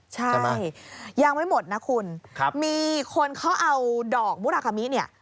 ใช่ยังไม่หมดนะคุณมีคนเขาเอาดอกมุราคามิเนี่ย